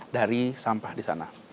dari sampah di sana